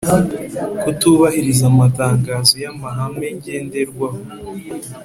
Kutubahiriza amatangazo y amahame ngenderwaho